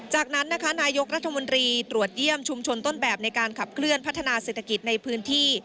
จากนั้นนะคะนายกรัฐมนตรีตรวจเยี่ยมชุมชนต้นแบบในการขับเคลื่อนพัฒนาเศรษฐกิจในพื้นที่